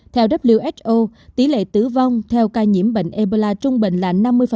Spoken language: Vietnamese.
theo who tỷ lệ tử vong theo ca nhiễm bệnh ebola trung bình là năm mươi